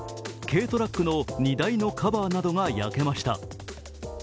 軽トラックの荷台のカバーなどが焼けました。